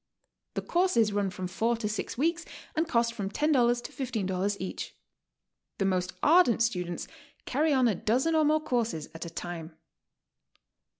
Ihe courses run from four to six weeks and cost from $io to $15 each. The most ardent students carry on a dozen or more courses at a time.